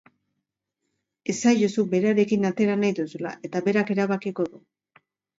Esaiozu berarekin atera nahi duzula eta berak erabakiko du.